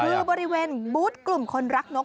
คือบริเวณบูธกลุ่มคนรักนก